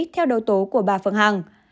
theo đấu tố của bà phương hằng